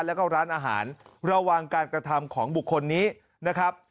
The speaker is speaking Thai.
แล้วก็ร้านอาหารระวังการกระทำของบุคคลนี้นะครับ